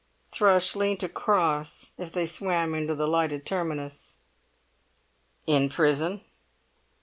Thrush leant across as they swam into the lighted terminus. "In prison."